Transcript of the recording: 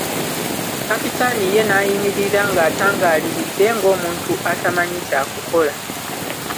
Kapitaani ye n'ayimirira ng'atangaaliridde ng'omuntu atamanyi kya kukola.